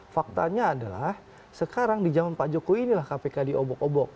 faktanya adalah sekarang di jaman pak jokowi ini lah kpk diobok obok